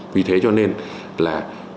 vì thế cho nên là